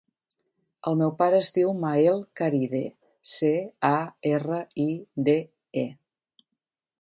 El meu pare es diu Mael Caride: ce, a, erra, i, de, e.